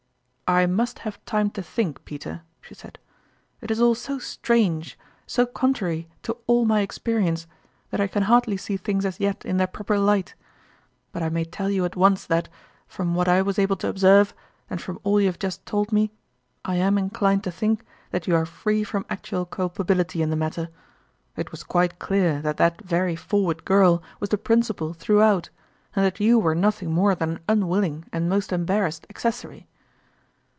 "I must have time to think, Peter," she said : "it is all so strange, so contrary to all my experience, that I can hardly see things as yet in their proper light. But I may tell you at once that, from what I was able to observe, and from all you have just told me, I am in clined to think that you are free from actual culpability in the matter. It was quite clear that that very forward girl was the principal l)e (Culminating (Eljerine. 137 throughout, and that you were nothing more than an unwilling and most embarrassed ac cessory."